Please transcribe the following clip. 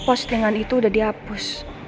postingan itu udah dihapus